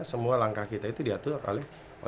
semua langkah kita itu diatur oleh